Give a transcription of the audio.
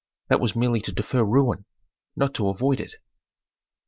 That was merely to defer ruin, not avoid it.